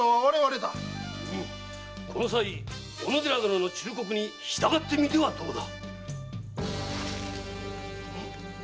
この際小野寺殿の忠告に従ってみてはどうだ？